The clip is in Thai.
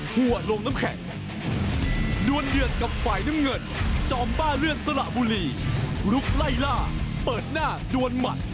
พ่อดำพ่อเจริญแพทย์